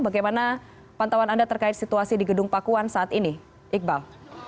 bagaimana pantauan anda terkait situasi di gedung pakuan saat ini iqbal